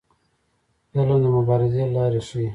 فلم د مبارزې لارې ښيي